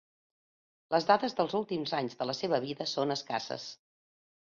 Les dades dels últims anys de la seva vida són escasses.